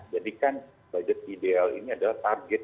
jadi kan budget ideal ini adalah target